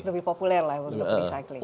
lebih populer lah untuk recycling